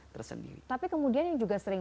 tersendiri tapi kemudian yang juga sering